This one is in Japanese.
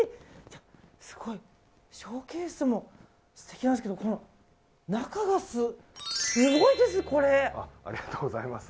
すごい、ショーケースも素敵なんですけどこの中がすごいです、これ。